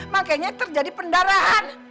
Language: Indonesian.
makanya terjadi pendarahan